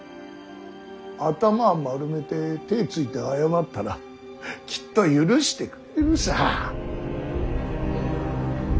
頭丸めて手ついて謝ったらきっと許してくれるさ。